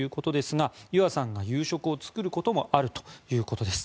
がゆあさんが夕食を作ることもあるということです。